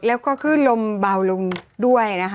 แล้วก็ขึ้นลมเบาลงด้วยนะคะ